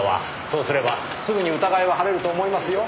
そうすればすぐに疑いは晴れると思いますよ。